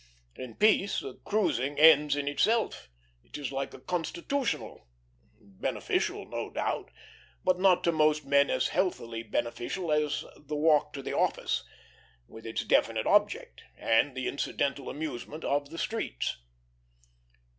In peace, cruising ends in itself; it is like a "constitutional;" beneficial, no doubt, but not to most men as healthily beneficial as the walk to the office, with its definite object and the incidental amusement of the streets.